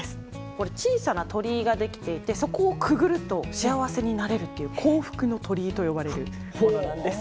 これ小さな鳥居が出来ていてそこをくぐると幸せになれるっていう幸福の鳥居と呼ばれるものなんです。